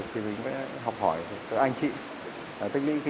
thì thôi chỉ có